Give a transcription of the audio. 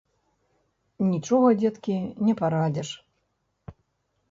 Нічога, дзеткі, не парадзіш.